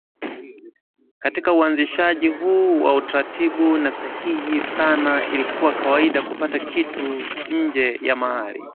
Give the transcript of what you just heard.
Katika uanzishwaji huu wa utaratibu na sahihi sana ilikuwa kawaida kupata kitu nje ya mahali